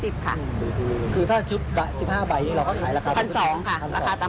๓ใบ๔ใบ๕ใบ๑๕ใบใบละ๘๐บาทค่ะ